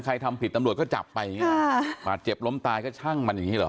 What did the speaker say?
ใครทำผิดตำรวจก็จับไปป่าเจ็บล้มตายก็ช่างมันอย่างนี้หรอ